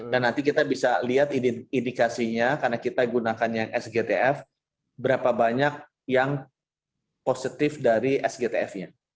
dan nanti kita bisa lihat indikasinya karena kita gunakan yang sgtf berapa banyak yang positif dari sgtf nya